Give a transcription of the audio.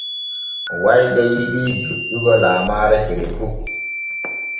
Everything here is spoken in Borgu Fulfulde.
Wayɓe yiɗii doƴƴugo laamaare kereku.